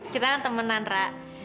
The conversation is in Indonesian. kita kan temenan ra